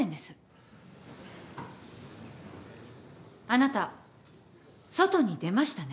あなた外に出ましたね？